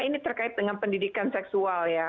ini terkait dengan pendidikan seksual ya